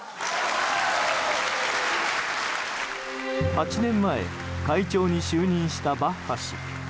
８年前会長に就任したバッハ氏。